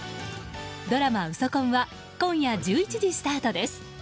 ドラマ「ウソ婚」は今夜１１時スタートです。